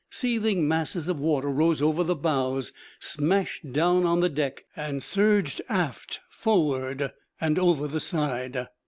Seething masses of water rose over the bows, smashed down on the deck, and surged aft, forward, and over the side.